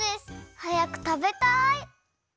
はやくたべたい！